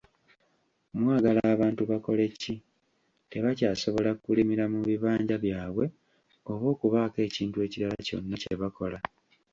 Mwagala abantu bakoleki, tebakyasobola kulimira mu bibanja byabwe oba okubaako ekintu ekirala kyonna kye bakola.